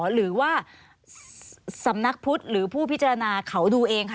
หรือว่าสำนักพุทธหรือผู้พิจารณาเขาดูเองค่ะ